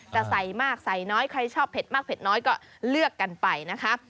จะใส่มากใส่น้อยใครชอบเผ็ดมากเผ็ดน้อยก็เลือกกันไปนะคะ